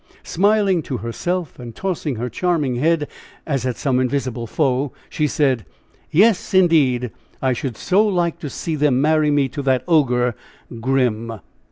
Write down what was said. Smiling to herself, and tossing her charming head, as at some invisible foe, she said: "Yes, indeed. I should so like to see them marry me to that ogre Grim!"